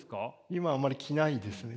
今はあんまり着ないですね。